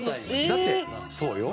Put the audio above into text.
だってそうよ。